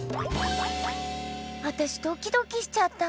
あたしドキドキしちゃった。